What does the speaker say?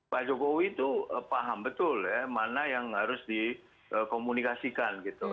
pak jokowi itu paham betul ya mana yang harus dikomunikasikan gitu